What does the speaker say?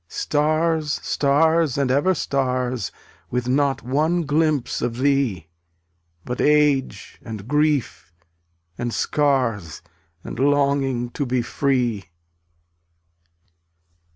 Stars, stars and ever stars With not one glimpse of Thee, But age — and grief — and scars, And longing to be free.